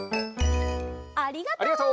ありがとう！